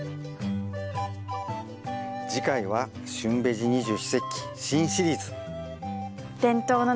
次回は「旬ベジ二十四節気新シリーズ」。